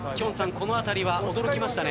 このあたり驚きましたね。